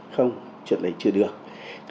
không chuyện đấy chưa được